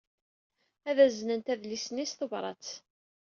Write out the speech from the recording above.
Ad aznent adlis-nni s tebṛat.